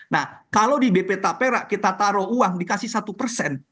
nah kalau di bp tapera kita taruh uang dikasih satu persen